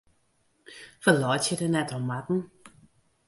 Wy laitsje der net om, Marten.